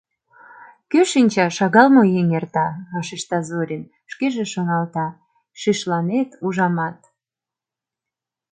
— Кӧ шинча, шагал мо еҥ эрта, — вашешта Зорин, шкеже шоналта: «Шишланет, ужамат».